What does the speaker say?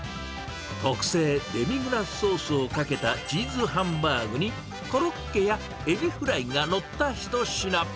特製デミグラスソースをかけたチーズハンバーグに、コロッケやエビフライが載った一品。